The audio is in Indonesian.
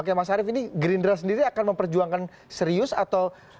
oke mas arief ini gerindra sendiri akan memperjuangkan serius atau